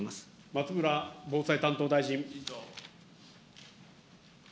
松村防災担当大臣。